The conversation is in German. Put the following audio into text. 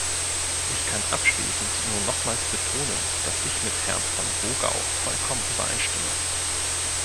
Ich kann abschließend nur nochmals betonen, dass ich mit Herrn von Wogau vollkommen übereinstimme.